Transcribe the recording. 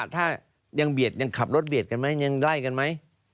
ถ้ายังเบียดยังขับรถเบียดกันไหมยังไล่กันไหม